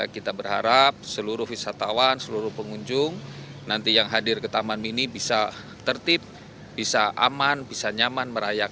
kita berharap seluruh wisatawan seluruh pengunjung nanti yang hadir ke taman mini bisa tertib bisa aman bisa nyaman merayakan